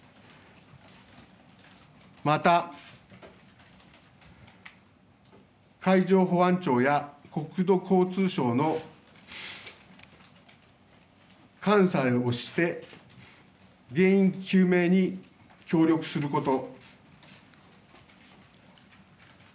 また、海上保安庁や国土交通省の監査をして原因究明に協力すること。